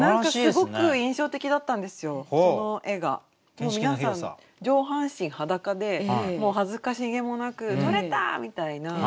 もう皆さん上半身裸で恥ずかしげもなく「取れた！」みたいな。